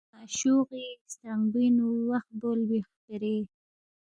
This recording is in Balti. معشوغی سترنگبوئینگنو وخ بولبی خپرے